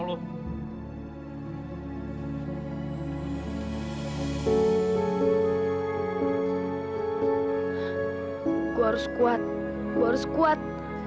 gue harus kuat gue harus kuat